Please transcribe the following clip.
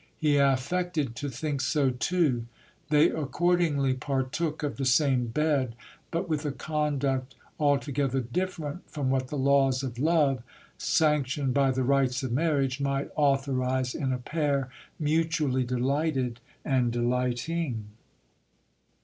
He affected to think so too. They according!) partook 126 GIL BLAS. of the same bed, but with a conduct altogether different from what the laws of love, sanctioned by the rites of marriage, might authorize in a pair mutually delighted and delighting.